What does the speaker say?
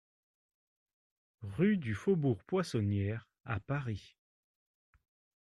Rue du Faubourg Poissonnière à Paris